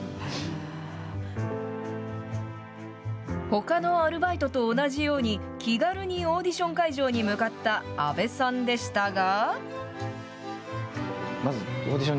ほかのアルバイトと同じように、気軽にオーディション会場に向かった阿部さんでしたが。